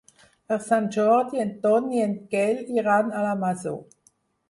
Per Sant Jordi en Ton i en Quel iran a la Masó.